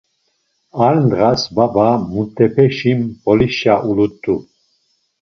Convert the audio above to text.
Ar ndğas baba mutepeşi Mp̌olişa ulut̆u.